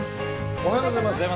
おはようございます。